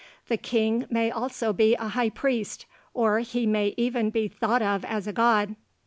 The king may also be a high priest, or he may even be thought of as a god.